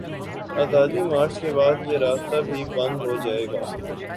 آزادی مارچ کے بعد، یہ راستہ بھی بند ہو جائے گا۔